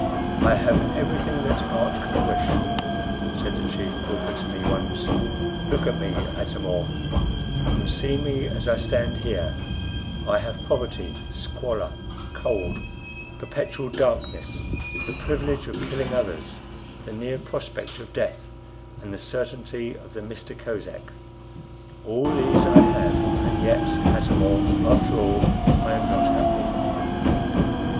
"I have everything that heart can wish," said the Chief Pauper to me once. "Look at me, Atam or, and see me as I stand here: I have poverty, squalor, cold, perpetual darkness, the privilege of killing others, the near prospect of death, and the certainty of the Mista Kosek all these I have, and yet, Atam or, after all, I am not happy."